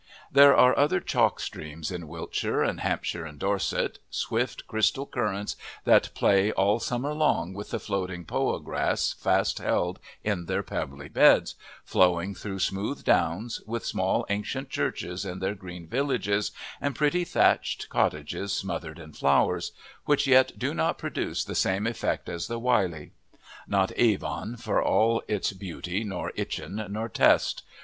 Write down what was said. There are other chalk streams in Wiltshire and Hampshire and Dorset swift crystal currents that play all summer long with the floating poa grass fast held in their pebbly beds, flowing through smooth downs, with small ancient churches in their green villages, and pretty thatched cottages smothered in flowers which yet do not produce the same effect as the Wylye. Not Avon for all its beauty, nor Itchen, nor Test.